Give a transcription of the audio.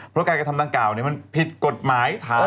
เพราะการกระทำดังกล่าวมันผิดกฎหมาย